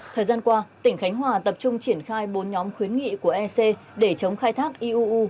thời gian qua tỉnh khánh hòa tập trung triển khai bốn nhóm khuyến nghị của ec để chống khai thác iuu